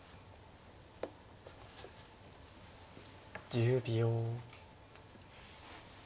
１０秒。